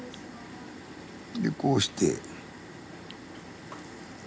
でこうして。